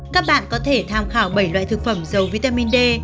các bạn có thể tham khảo bảy loại thực phẩm dầu vitamin d